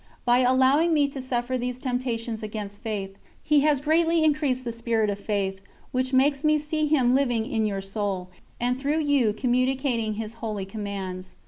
By allowing me to suffer these temptations against Faith, He has greatly increased the spirit of Faith, which makes me see Him living in your soul, and through you communicating His holy commands.